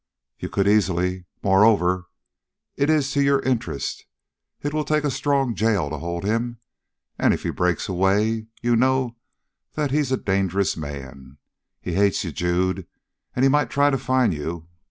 "You could easily. Moreover, it's to your interest. It will take a strong jail to hold him, and if he breaks away, you know that he's a dangerous man. He hates you, Jude, and he might try to find you.